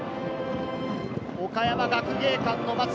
岡山学芸館の待つ